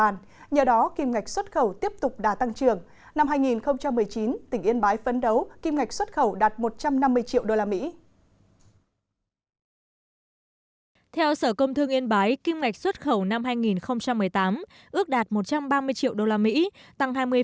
theo sở công thương yên bái kim ngạch xuất khẩu năm hai nghìn một mươi tám ước đạt một trăm ba mươi triệu đô la mỹ